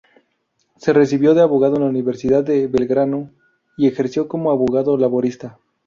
Se recibió de abogado en la Universidad de Belgrano y ejerció como abogado laboralista.